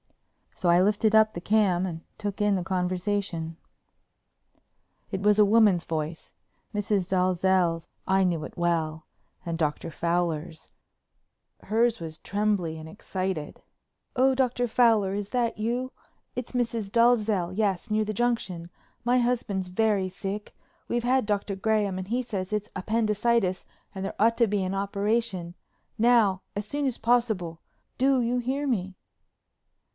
So I lifted up the cam and took in the conversation. It was a woman's voice—Mrs. Dalzell's, I knew it well—and Dr. Fowler's. Hers was trembly and excited: "Oh, Dr. Fowler, is that you? It's Mrs. Dalzell, yes, near the Junction. My husband's very sick. We've had Dr. Graham and he says it's appendicitis and there ought to be an operation—now, as soon as possible. Do you hear me?"